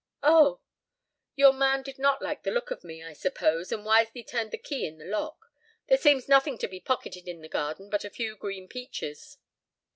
"Oh—" "Your man did not like the look of me, I suppose, and wisely turned the key in the lock. There seems nothing to be pocketed in the garden but a few green peaches."